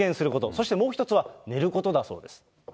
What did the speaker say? そしてもう１つは寝ることだそうです。